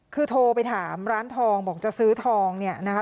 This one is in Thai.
คือโทรไปถามร้านทองบอกจะซื้อทองเนี่ยนะคะ